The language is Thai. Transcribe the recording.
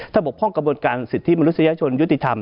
ถ้าบกพร่องกระบวนการสิทธิมนุษยชนยุติธรรม